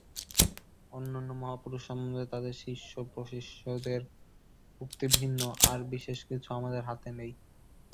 অন্যান্য মহাপুরুষ সম্বন্ধে তাঁদের শিষ্য-প্রশিষ্যদের উক্তি ভিন্ন আর বিশেষ কিছু আমাদের হাতে নেই।